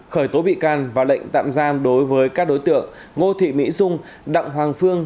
khởi tố bị can và lệnh tạm giam đối với các đối tượng ngô thị mỹ dung đặng hoàng phương